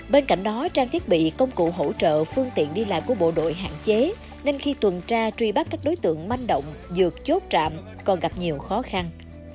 bên cạnh đó trang thiết bị công cụ hỗ trợ phương tiện đi lại của bộ đội hạn chế nên khi tuần tra truy bắt các đối tượng manh động dược chốt trạm còn gặp nhiều khó khăn